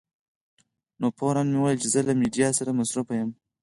نو فوراً مې وویل چې زه له میډیا سره مصروف یم.